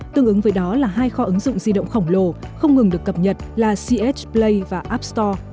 tương ứng với đó là hai kho ứng dụng di động khổng lồ không ngừng được cập nhật là cs play và app store